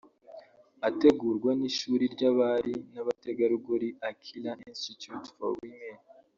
ategurwa n’ishuri ry’abari n’abategarugori Akilah Institute for Women